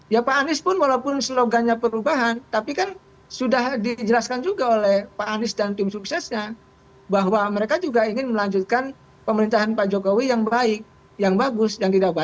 ya pak anies pun walaupun slogannya perubahan tapi kan sudah dijelaskan juga oleh pak anies dan tim suksesnya bahwa mereka juga ingin melanjutkan pemerintahan pak jokowi yang baik yang bagus yang tidak baik